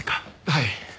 はい。